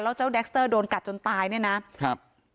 แล้วเจ้าแดคเตอร์โดนกัดจนตายเนี่ยนะครับ